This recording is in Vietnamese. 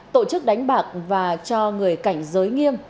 tổ chức đánh bạc và cho người cảnh giới nghiêm